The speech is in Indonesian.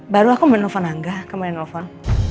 baru aku mau nelfon angga kemarin nelfon